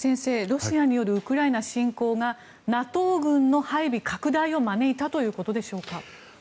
ロシアによるウクライナ侵攻がＮＡＴＯ軍の配備拡大を招いたということでしょうか。